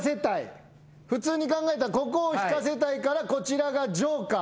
普通に考えたらここを引かせたいからこちらがジョーカー。